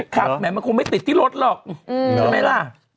แหมมันคงไม่ติดที่รถหรอกใช่ไหมล่ะ